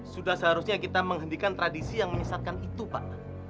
sudah seharusnya kita menghentikan tradisi yang menyesatkan itu pak